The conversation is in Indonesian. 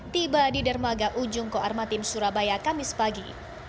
tiba di dermaga ujung koarmatim surabaya kamis pagi